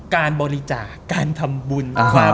การบริจาคการทำบุญ